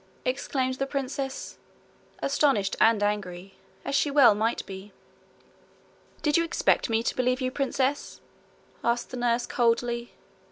exclaimed the princess, astonished and angry, as she well might be. 'Did you expect me to believe you, princess?' asked the nurse coldly.